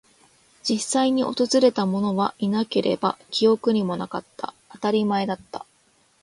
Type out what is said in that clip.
実際に訪れたものはいなければ、記憶にもなかった。当たり前だった。